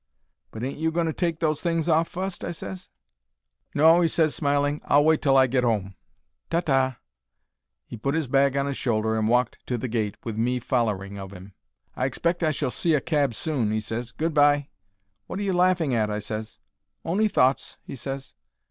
"But ain't you going to take those things off fust?" I ses. "No," he ses, smiling. "I'll wait till I get 'ome. Ta ta." He put 'is bag on 'is shoulder and walked to the gate, with me follering of 'im. "I expect I shall see a cab soon," he ses. "Good bye." "Wot are you laughing at?" I ses. "On'y thoughts," he ses.